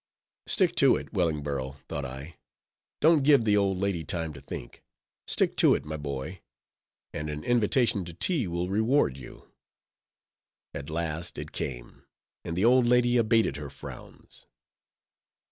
Stick to it, Wellingborough, thought I; don't give the old lady time to think; stick to it, my boy, and an invitation to tea will reward you. At last it came, and the old lady abated her frowns.